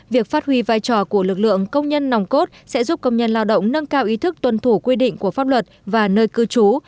việc phát huy vai trò của lực lượng công nhân nòng cốt sẽ giúp công nhân lao động nâng cao ý thức tuân thủ quy định của pháp luật và nơi cư trú